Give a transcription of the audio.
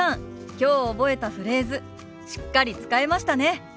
きょう覚えたフレーズしっかり使えましたね。